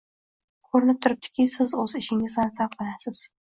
Koʻrinib turibdiki, siz oʻz ishingizdan zavqlanasiz.